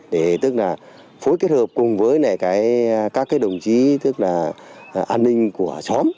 để tức là phối kết hợp cùng với các đồng chí an ninh của xóm